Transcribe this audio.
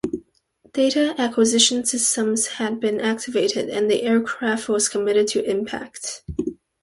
Data acquisition systems had been activated, and the aircraft was committed to impact.